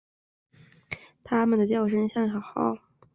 它们的叫声像小号。